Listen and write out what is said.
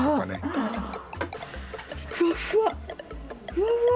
ふわふわ！